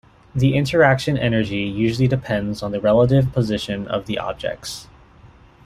The interaction energy usually depends on the relative position of the objects.